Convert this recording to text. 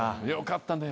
よかった。